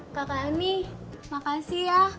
kakak ani makasih ya